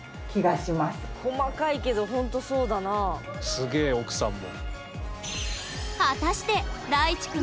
すげえ奥さんも。